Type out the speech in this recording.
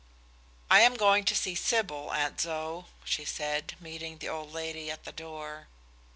"I am going to see Sybil, Aunt Zoë," she said, meeting the old lady at the door.